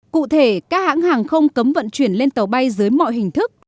cụ thể các hãng hàng không cấm vận chuyển lên tàu bay dưới mọi hình thức